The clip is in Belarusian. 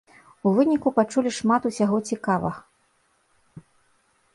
У выніку пачулі шмат усяго цікава.